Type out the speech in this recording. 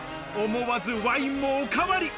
思わずワインもおかわり。